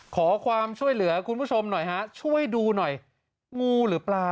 ขอความช่วยเหลือคุณผู้ชมหน่อยฮะช่วยดูหน่อยงูหรือปลา